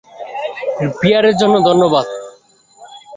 বিয়ারের জন্য ধন্যবাদ।